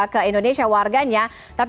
ke indonesia warganya